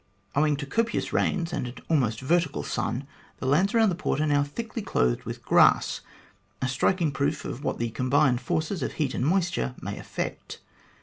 Owing to copious rains and an almost vertical sun, the lands around the port are now thickly clothed with grass a striking proof of what the combined forces of heat and moisture may effect.